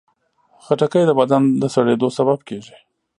خټکی د بدن د سړېدو سبب کېږي.